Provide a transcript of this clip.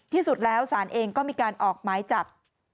ที่สุดแล้วศาลเองก็มีการออกหมายจับ